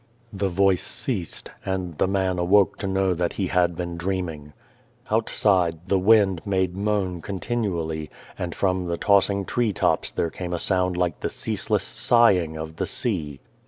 The voice ceased, and the man awoke to know that he had been dreaming. Outside the wind made moan continually, and from the tossing tree tops there came a sound like the ceaseless sighing of the sea.